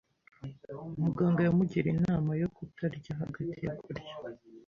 Muganga yamugiriye inama yo kutarya hagati yo kurya.